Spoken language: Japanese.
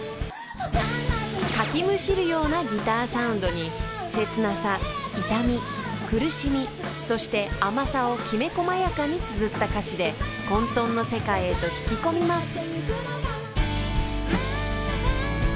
［かきむしるようなギターサウンドに切なさ痛み苦しみそして甘さをきめ細やかにつづった歌詞で混沌の世界へと引き込みます］